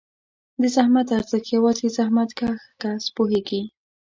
د زحمت ارزښت یوازې زحمتکښ کس پوهېږي.